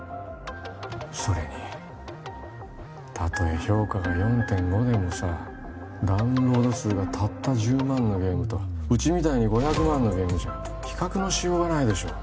それにたとえ評価が４．５でもさダウンロード数がたった１０万のゲームとうちみたいに５００万のゲームじゃ比較のしようがないでしょ